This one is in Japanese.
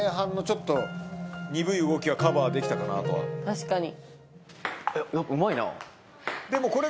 確かに。